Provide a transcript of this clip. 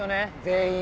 全員。